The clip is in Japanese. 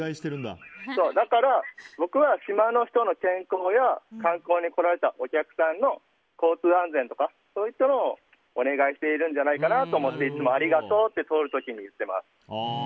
だから、僕は島の人の健康や観光に来られたお客さんの交通安全とかそういったものをお願いしているんじゃないかなと思っていつもありがとうって通る時に言っています。